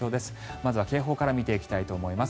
まずは警報から見ていきたいと思います。